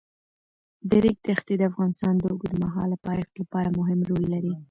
د ریګ دښتې د افغانستان د اوږدمهاله پایښت لپاره مهم رول لري.